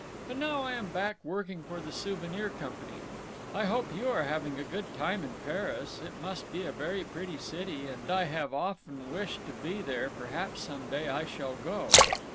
But now I am back working for the Souvenir Company. I hope you are having a good time in Paris it must be a very pretty city & I have often wished to be there perhaps some day I shall go.